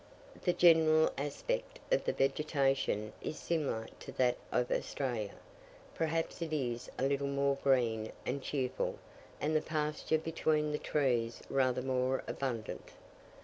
The general aspect of the vegetation is similar to that of Australia; perhaps it is a little more green and cheerful; and the pasture between the trees rather more abundant.